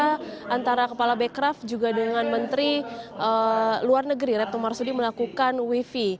ya mereka antara kepala bekraf juga dengan menteri luar negeri retno marsudi melakukan wi fi